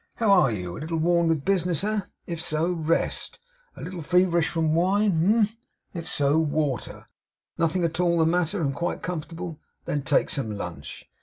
'How are you? A little worn with business, eh? If so, rest. A little feverish from wine, humph? If so, water. Nothing at all the matter, and quite comfortable? Then take some lunch.